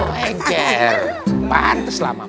oh encer pantas lah mami